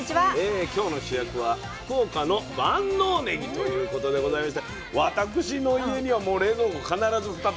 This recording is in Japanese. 今日の主役は「福岡の万能ねぎ」ということでございまして私の家にはもう冷蔵庫必ず２束ぐらい常時入っております。